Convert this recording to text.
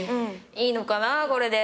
いいのかなこれで。